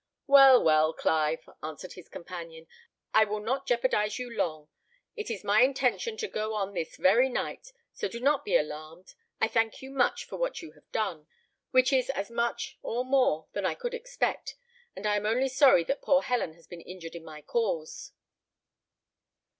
"Well, well, Clive!" answered his companion, "I will not jeopardise you long; it is my intention to go on this very night, so do not be alarmed. I thank you much for what you have done, which is as much or more than I could expect, and am only sorry that poor Helen has been injured in my cause."